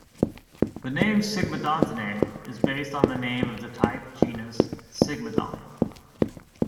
The name "Sigmodontinae" is based on the name of the type genus, "Sigmodon".